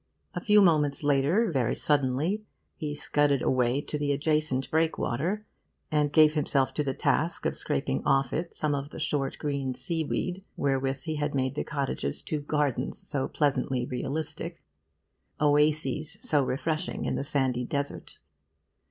A few moments later, very suddenly, he scudded away to the adjacent breakwater and gave himself to the task of scraping off it some of the short green sea weed wherewith he had made the cottage's two gardens so pleasantly realistic, oases so refreshing in the sandy desert.